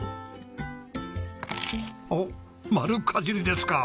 おっ丸かじりですか。